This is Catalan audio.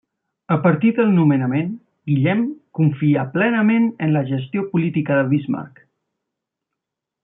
A partir del nomenament, Guillem confià plenament en la gestió política de Bismarck.